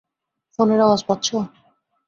ফোনের আওয়াজ পাচ্ছো?